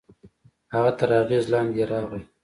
هغه تر اغېز لاندې يې راغی.